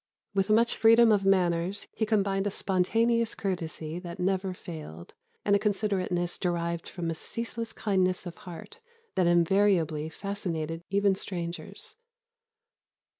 With much freedom of manners, he combined a spontaneous courtesy that never failed, and a considerateness derived from a ceaseless kindness of heart that invariably fascinated even strangers."